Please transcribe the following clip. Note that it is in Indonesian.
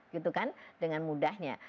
gitu kan dengan mudahnya